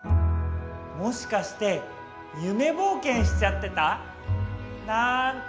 もしかして夢冒険しちゃってた？なんて。